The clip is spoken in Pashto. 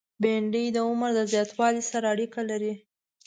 بېنډۍ د عمر اوږدوالی سره اړیکه لري